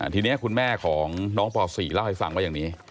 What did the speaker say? ทีนี้คุณแม่ของน้องป๔เล่าให้ฟังว่าอย่างนี้